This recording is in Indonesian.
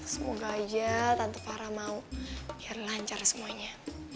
semoga aja tante parah mau biar lancar semuanya